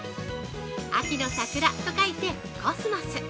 秋の桜と書いてコスモス！